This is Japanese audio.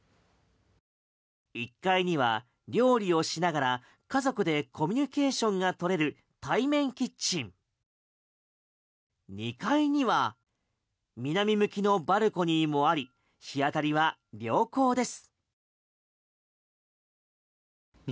１階には料理をしながら家族でコミュニケーションが取れる対面キッチン２階には南向きのバルコニーもあり日当たりは良好です。